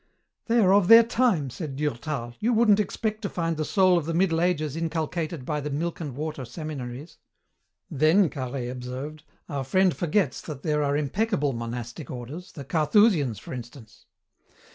"They are of their time," said Durtal. "You wouldn't expect to find the soul of the Middle Ages inculcated by the milk and water seminaries." "Then," Carhaix observed, "our friend forgets that there are impeccable monastic orders, the Carthusians, for instance."